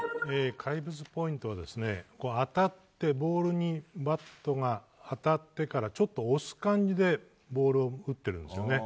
怪物ポイントはボールにバットが当たってからちょっと押す感じでボールを打っているんですね。